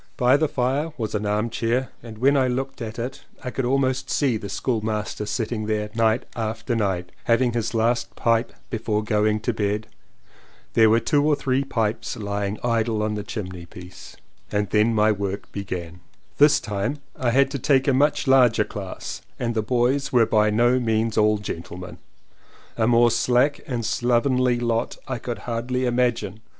By the fire was an armchair and when I looked at it I could almost see the school master sitting there night after night having his last pipe before going to bed. There were two or three pipes lying idle on the chimney piece. 199 CONFESSIONS OF TWO BROTHERS And then my work began. This time I had to take a much larger class and the boys were by no means all gentlemen, A more slack and more slovenly lot I could hardly imagine.